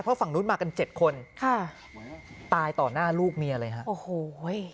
เพราะฝั่งนู้นมากัน๗คนตายต่อหน้าลูกเมียเลย